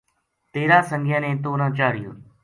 تیرا سنگیاں نے توہ نہ چاڑھیو